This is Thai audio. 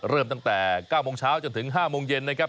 เริ่มตั้งแต่๙โมงเช้าจนถึง๕โมงเย็นนะครับ